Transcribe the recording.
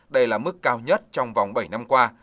đây là mức cao nhất trong vòng bảy năm qua